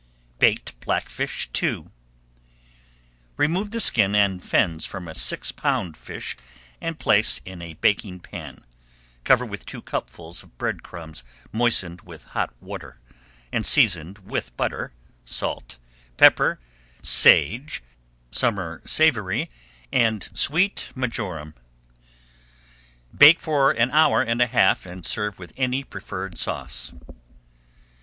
BAKED BLACKFISH II Remove the skin and fins from a six pound fish and place in a baking pan. Cover with two cupfuls of bread crumbs moistened with hot water, and seasoned with butter, salt, pepper, sage, summer savory, and sweet marjoram. Bake for an hour and a half and serve with any preferred sauce.